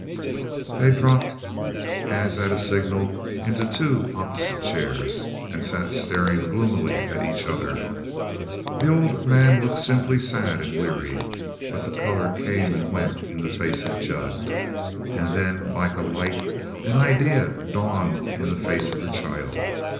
They dropped, as at a signal, into two opposite chairs, and sat staring gloomily at each other. The old man looked simply sad and weary, but the color came and went in the face of Jud. And then, like a light, an idea dawned in the face of the child.